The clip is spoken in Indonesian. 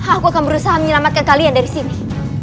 aku akan berusaha menyelamatkan kalian dari sini